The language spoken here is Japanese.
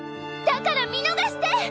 だから見のがして！